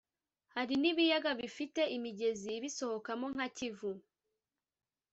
hari n’ibiyaga bifite imigezi ibisohokamo nka kivu